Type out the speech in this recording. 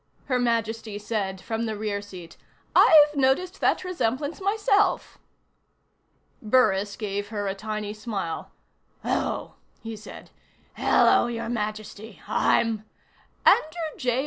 Her Majesty said from the rear seat. "I've noticed that resemblance myself." Burris gave her a tiny smile. "Oh," he said. "Hello, Your Majesty. I'm " "Andrew J.